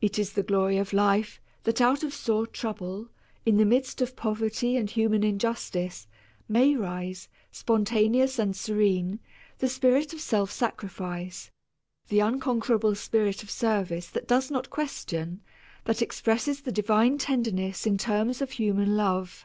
It is the glory of life that out of sore trouble, in the midst of poverty and human injustice, may rise, spontaneous and serene, the spirit of self sacrifice, the unconquerable spirit of service that does not question, that expresses the divine tenderness in terms of human love.